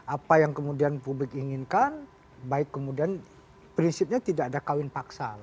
apa yang kemudian publik inginkan baik kemudian prinsipnya tidak ada kawin paksa